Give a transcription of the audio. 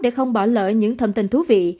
để không bỏ lỡ những thông tin thú vị